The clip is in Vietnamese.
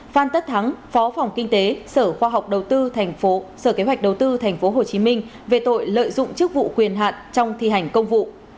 phan tất thắng phó phòng kinh tế sở kế hoạch đầu tư tp hcm về tội lợi dụng chức vụ quyền hạn trong thi hành công vụ